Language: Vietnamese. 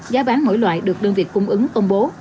giá bán mỗi loại được đơn vị cung ứng công bố